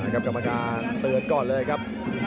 กรรมการเตือนก่อนเลยครับ